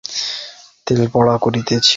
মহেন্দ্রের বক্ষঃস্থল তোলপাড় করিতেছিল।